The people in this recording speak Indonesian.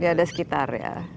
dia ada sekitar ya